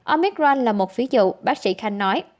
omicron là một ví dụ bác sĩ khanh nói